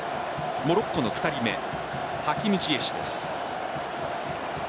モロッコの２人目ハキム・ジエシュです。